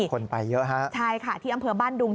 คนไปเยอะฮะใช่ค่ะที่อำเภอบ้านดุง